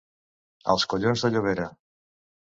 Als collons de Llobera.